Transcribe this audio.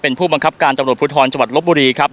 เป็นผู้บังคับการตำรวจภูทรจังหวัดลบบุรีครับ